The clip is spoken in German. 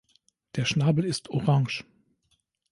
Der Schnabel ist orange.